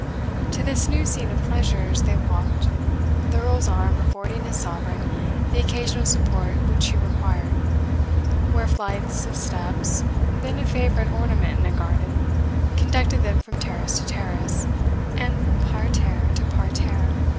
To this new scene of pleasures they walked, the Earl's arm affording his Sovereign the occasional support which she required, where flights of steps, then a favourite ornament in a garden, conducted them from terrace to terrace, and from parterre to parterre.